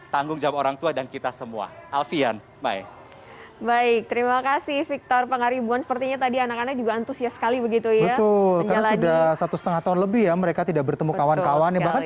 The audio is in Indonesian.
tanggung jawab orang tua dan kita semua alfian